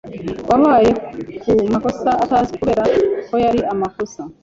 wabaye ku makosa atazwi kubera ko yari amakosa